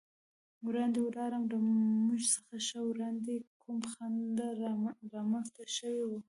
وړاندې ولاړم، له موږ څخه ښه وړاندې کوم خنډ رامنځته شوی و.